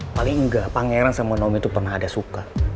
paling gak pangeran sama naomi itu pernah ada suka